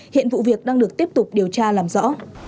hiện vụ việc đang được tiếp tục điều tra làm rõ